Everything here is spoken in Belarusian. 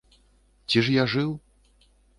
Ці ж я жыў?